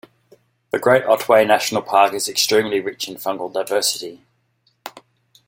The Great Otway National Park is extremely rich in fungal diversity.